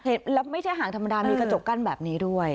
แล้วไม่ใช่ห่างธรรมดามีกระจกกั้นแบบนี้ด้วย